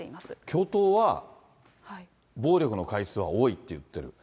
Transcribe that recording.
教頭は、暴力の回数は多いって言ってる。